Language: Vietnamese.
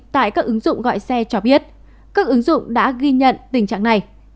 tại các ứng dụng gọi xe cho biết các ứng dụng đã ghi nhận tình trạng này